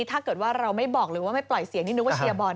ถ้าเกิดว่าเราไม่บอกหรือว่าไม่ปล่อยเสียงนี่นึกว่าเชียร์บอล